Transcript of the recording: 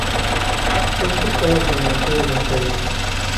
Ur cikkeɣ ad zemrent ad gent aya.